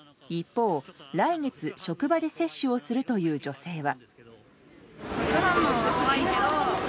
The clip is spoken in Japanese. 一方、来月職場で接種をするという女性は。